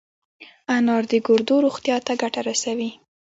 انار د ګردو روغتیا ته ګټه رسوي.